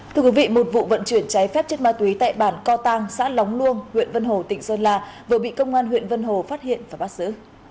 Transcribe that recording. thưa quý vị một vụ vận chuyển cháy phép chất ma túy tại bản co tăng xã lóng luông huyện vân hồ tỉnh sơn la vừa bị công an huyện vân hồ phát hiện và bắt giữ